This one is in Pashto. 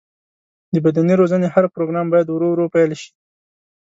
د بدني روزنې هر پروګرام باید ورو ورو پیل شي.